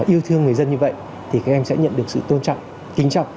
yêu thương người dân như vậy thì các em sẽ nhận được sự tôn trọng kính trọng